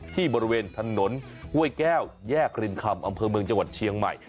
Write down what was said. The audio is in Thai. บริเวณถนนห้วยแก้วแยกรินคำอำเภอเมืองจังหวัดเชียงใหม่